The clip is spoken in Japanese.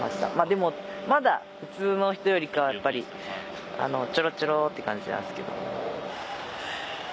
でもまだ普通の人よりかはやっぱりチョロチョロって感じなんですけど。